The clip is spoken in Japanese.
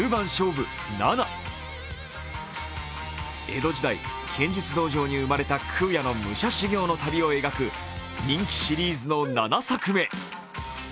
江戸時代、剣術道場に生まれた空也の武者修行の旅を描く人気シリーズの７作目。